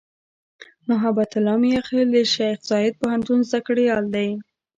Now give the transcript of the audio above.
محبت الله "میاخېل" د شیخزاید پوهنتون زدهکړیال دی.